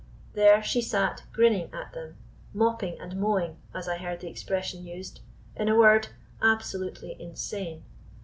There she sat grinning at them, mopping and mowing, as I heard the expression used; in a word, absolutely insane.